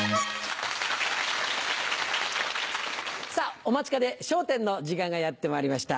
お待ちかね『笑点』の時間がやってまいりました。